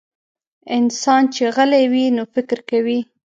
انسان چې غلی وي، نو فکر کوي.